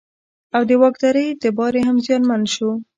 او د واکدارۍ اعتبار یې هم زیانمن شو.